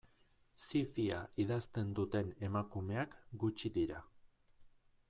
Zi-fia idazten duten emakumeak gutxi dira.